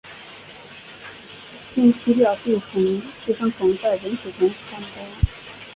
经体表寄生虫在人群中传播。